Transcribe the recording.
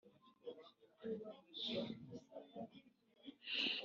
uwa manase ni amoni uwa amoni ni yosiya